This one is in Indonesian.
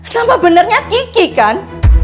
nampak benarnya kiki kan